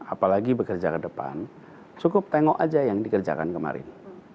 apalagi bekerja ke depan cukup tengok aja yang dikerjakan kemarin